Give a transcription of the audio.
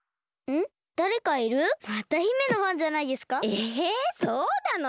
えそうなの？